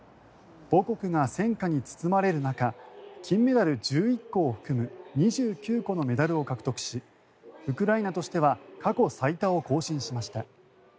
母国が戦火に包まれる中金メダル１１個を含む２９個のメダルを獲得しウクライナとしては過去最多を更新しました。